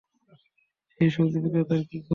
সেই সবজি বিক্রেতার কি খবর?